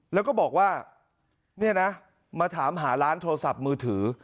แล้วก็บอกว่าเนี่ยนะมาถามหาร้านโทรศัพท์มือถือ